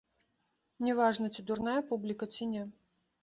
Не важна, ці дурная публіка, ці не.